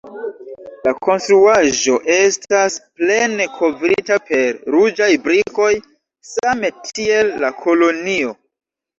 La konstruaĵo estas plene kovrita per ruĝaj brikoj, same tiel la kolonio.